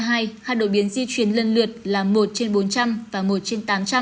hai đột biến di chuyển lân lượt là một trên bốn trăm linh và một trên tám trăm linh